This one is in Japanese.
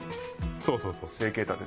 そうそうそう。